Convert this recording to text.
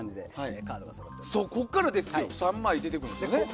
ここから３枚出てくるんですよね。